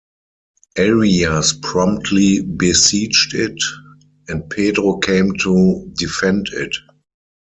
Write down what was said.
Arias promptly besieged it, and Pedro came to defend it.